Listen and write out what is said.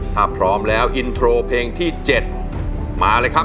ถ้าพร้อมแล้วอินโทรเพลงที่๗มาเลยครับ